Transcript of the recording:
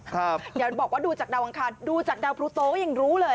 เห็นบอกว่าดูจากดาวอังคารดูจากดาวพลูโตก็ยังรู้เลย